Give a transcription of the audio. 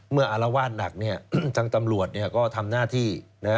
เมื่ออารวาสหนักทั้งตำรวจก็ทำหน้าที่